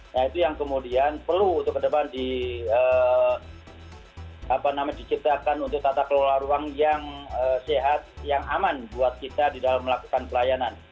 nah itu yang kemudian perlu untuk ke depan diciptakan untuk tata kelola ruang yang sehat yang aman buat kita di dalam melakukan pelayanan